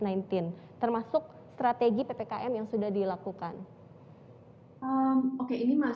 saya ingin bertanya bagaimana the finery report memandang usaha usaha pemerintah dalam memutus penyebaran covid sembilan belas